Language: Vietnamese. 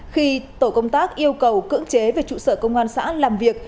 khi tổ công tác yêu cầu cưỡng chế về trụ sở công an xã làm việc